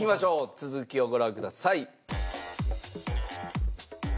続きをご覧ください。